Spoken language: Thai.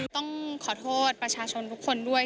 ต้องขอโทษประชาชนทุกคนด้วย